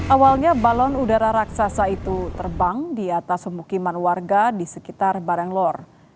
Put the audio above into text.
awalnya balon udara raksasa itu terbang di atas pemukiman warga di sekitar baranglor